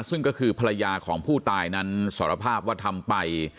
ซึ่งก็คือภรรยาของผู้ตายนั้นสารภาพว่าทำไป